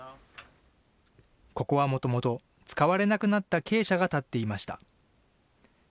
ここはもともと、使われなくなった鶏舎が建っていました。